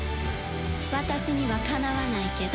私にはかなわないけど。